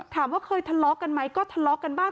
ถามว่าเคยทะเลาะกันไหมก็ทะเลาะกันบ้าง